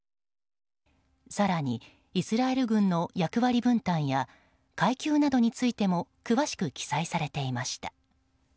更に、イスラエル軍の役割分担や階級などについても詳しく記載されていました。